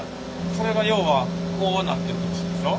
それが要はこうなってるってことでしょ？